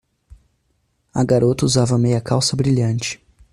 A garota usava meia-calça brilhante.